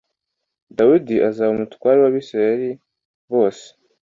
Dawidi azaba umutware w’Abisilaheli bose